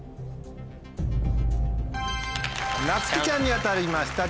なつきちゃんに当たりました。